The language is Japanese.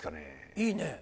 いいね。